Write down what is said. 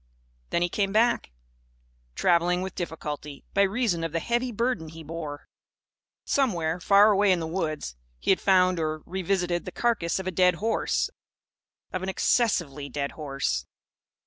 Then he came back; travelling with difficulty, by reason of the heavy burden he bore. Somewhere, far away in the woods, he had found, or revisited, the carcase of a dead horse of an excessively dead horse.